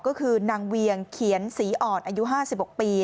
ก็คือนางเวียงเขียนศรีอ่อนอายุ๕๖ปี